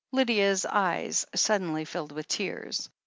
Lydia's eyes suddenly filled with tears.